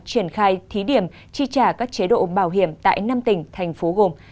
triển khai thí điểm chi trả các chế độ bảo hiểm tại năm tỉnh thành phố gồm